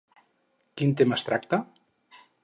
Quin tema es tracta?